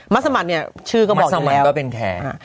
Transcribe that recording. มัสมันเนี่ยชื่อก็บอกอยู่แล้วมัสมันก็เป็นแขก